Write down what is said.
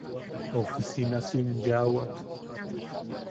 Ofisinasim yaʼawak.